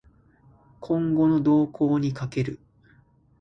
今後の動向に賭ける